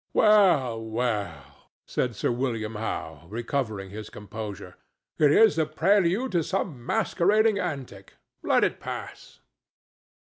"Well, well!" said Sir William Howe, recovering his composure; "it is the prelude to some masquerading antic. Let it pass."